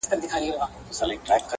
په لوړو سترګو ځمه له جهانه قاسم یاره,